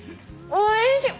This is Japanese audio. おいしい！